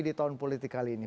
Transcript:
di tahun politik kali ini